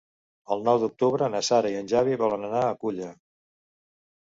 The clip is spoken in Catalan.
El nou d'octubre na Sara i en Xavi volen anar a Culla.